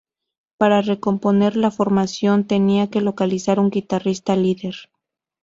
Para recomponer la formación tenían que localizar un guitarrista líder.